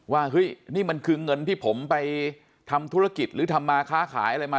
เฮ้ยนี่มันคือเงินที่ผมไปทำธุรกิจหรือทำมาค้าขายอะไรมา